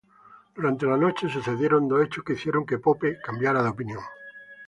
Durante la noche sucedieron dos hechos que hicieron que Pope cambiara de opinión.